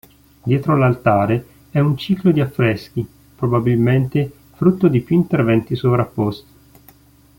Dietro l'altare è un ciclo di affreschi, probabilmente frutto di più interventi sovrapposti.